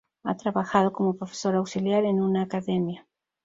Ha trabajado como profesor auxiliar en una academia.